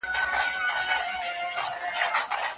آیا کلتور او ټولنه سره تړلي دي؟